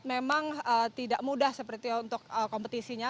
memang tidak mudah seperti untuk kompetisinya